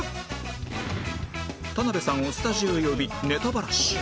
田辺さんをスタジオへ呼びネタバラシ